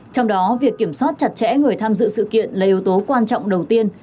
trong đó việc kiểm soát chặt chẽ người tham dự sự kiện là yếu tố quan trọng đầu tiên